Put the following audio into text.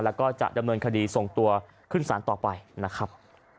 แล้วก็จะดำเนินคดีส่งตัวขึ้นสารต่อไปนะครับ